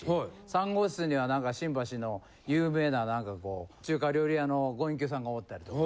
３号室には新橋の有名な何かこう中華料理屋のご隠居さんがおったりとか。